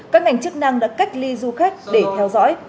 các ngành chức năng đã cách ly du khách để theo dõi